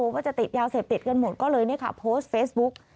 ว่าจะติดยาเสพติดกันหมดก็เลยโพสต์เฟซบุ๊ก